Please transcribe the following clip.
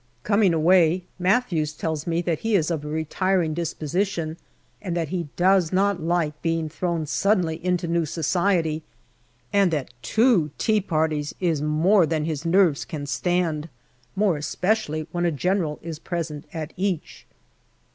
Coming away, Matthews tells me that he is of a retiring disposition, and that he does not like being thrown suddenly into new society, and that two tea parties is more than his nerves can stand, more especially when a General is present at each.